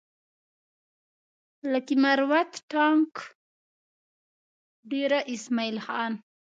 لکي مروت ټانک ډېره اسماعيل خان